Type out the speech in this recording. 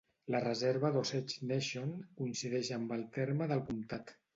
La reserva d'Osage Nation coincideix amb el terme del comtat.